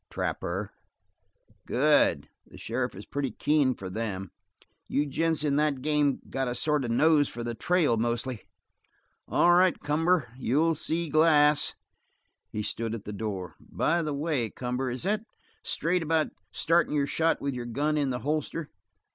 "Trapper." "Good! The sheriff is pretty keen for 'em. You gents in that game got a sort of nose for the trail, mostly. All right, Cumber, you'll see Glass." He stood at the door. "By the way, Cumber, is that straight about startin' your shot with your gun in the holster?"